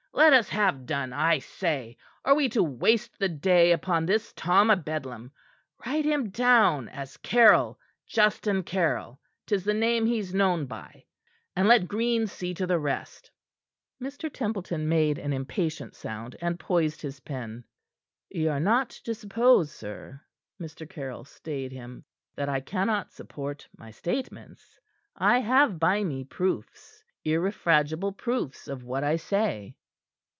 "Let us have done, I say! Are we to waste the day upon this Tom o' Bedlam? Write him down as Caryll Justin Caryll 'tis the name he's known by; and let Green see to the rest." Mr. Templeton made an impatient sound, and poised his pen. "Ye are not to suppose, sir," Mr. Caryll stayed him, "that I cannot support my statements. I have by me proofs irrefragable proofs of what I say."